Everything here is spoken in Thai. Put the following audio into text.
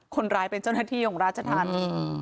คนร้ายเป็นเจ้าหน้าที่ของราชธานี